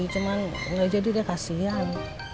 cuman gak jadi deh kasihan